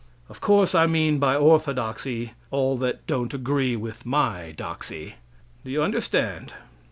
Of course I mean by orthodoxy all that don't agree with my doxy. Do you understand?